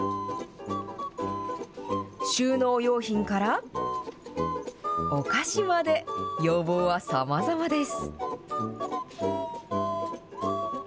収納用品からお菓子まで、要望はさまざまです。